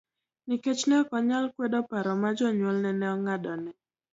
Nikech ne ok onyal kwedo paro ma jonyuolne ne ong'adone